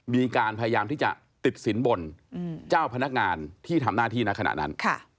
มีการพยายามที่จะติดสินบนเจ้าพนักงานที่ทำหน้าที่ณขณะนั้น